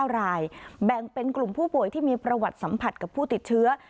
๙รายแบ่งเป็นกลุ่มผู้ป่วยที่มีประวัติสัมผัสกับผู้ติดเชื้อ